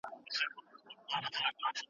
دوه پاچایان پر یو تخت نه ځايېږي.